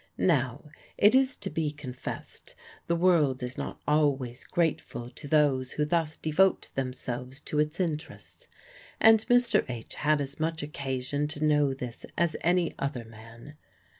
Now, it is to be confessed the world is not always grateful to those who thus devote themselves to its interests; and Mr. H. had as much occasion to know this as any other man.